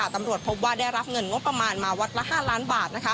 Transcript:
ตำรวจพบว่าได้รับเงินงบประมาณมาวัดละ๕ล้านบาท